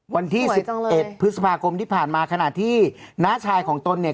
วันที่๑๑พฤษภาคมที่ผ่านมาขณะที่น้าชายของตนเนี่ย